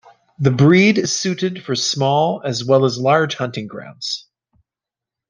The breed is suited for small as well as large hunting grounds.